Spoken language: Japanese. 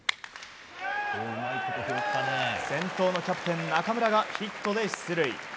先頭のキャプテン、中村がヒットで出塁。